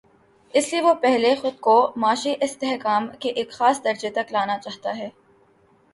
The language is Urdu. اس لیے وہ پہلے خود کو معاشی استحکام کے ایک خاص درجے تک لا نا چاہتا ہے۔